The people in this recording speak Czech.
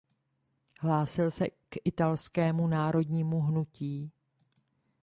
Hlásil se k italskému národnímu hnutí.